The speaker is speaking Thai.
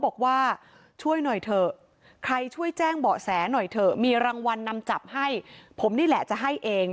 ใครช่วยแจ้งเบาะแสหน่อยเถอะมีรางวัลนำจับให้ผมนี่แหละจะให้เอง